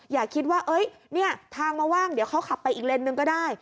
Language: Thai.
อย่าคิดว่าเนี่ยทางมาว่างเดี๋ยวเขาขับไปอีกเลนสนึงก็ได้